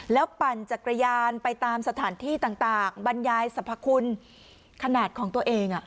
แล้วปั่นจักรยานไปตามสถานที่ต่างบรรยายสรรพคุณขนาดของตัวเอง